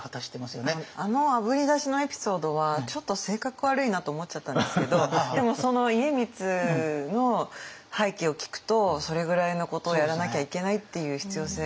あのあぶり出しのエピソードはちょっと性格悪いなと思っちゃったんですけどでもその家光の背景を聞くとそれぐらいのことをやらなきゃいけないっていう必要性が。